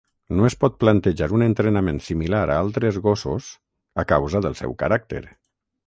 No es pot plantejar un entrenament similar a altres gossos, a causa del seu caràcter.